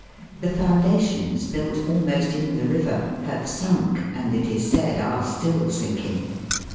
The foundations, built almost in the river, have sunk, and it is said are still sinking.